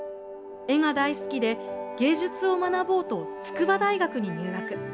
絵が大好きで芸術を学ぼうと筑波大学に入学。